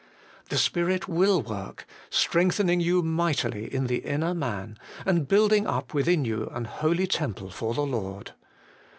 The Spirit will work, strengthening you mightily in the inner man, and building up within you an holy temple for the Lord.